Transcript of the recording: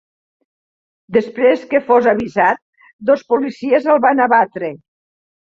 Després que fos avisat, dos policies el van abatre.